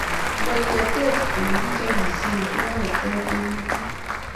Ngotketech Ole kichobisie kokonobtoi tegutik